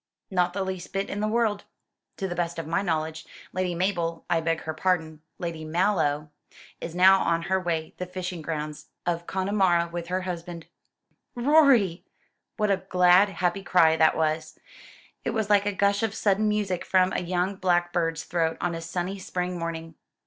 "Not the least bit in the world. To the best of my knowledge, Lady Mabel I beg her pardon Lady Mallow is now on her way to the fishing grounds of Connemara with her husband." "Rorie!" What a glad happy cry that was! It was like a gush of sudden music from a young blackbird's throat on a sunny spring morning.